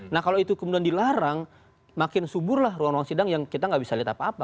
nah kalau itu kemudian dilarang makin suburlah ruang ruang sidang yang kita nggak bisa lihat apa apa